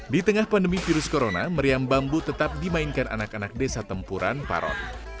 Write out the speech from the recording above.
di tengah pandemi virus corona meriam bambu tetap dimainkan anak anak desa tempuran parot